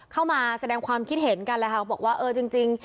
เข้ามาแสดงความคิดเห็นกันแล้วค่ะบอกว่าเออจริง